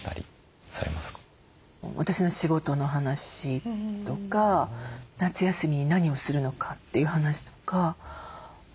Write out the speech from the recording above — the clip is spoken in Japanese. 私の仕事の話とか夏休みに何をするのかという話とかしますけれども。